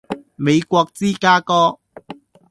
美國芝加哥